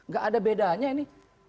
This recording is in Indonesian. gak ada bedanya ini